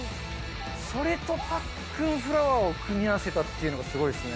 それとパックンフラワーを組み合わせたっていうのがすごいですね。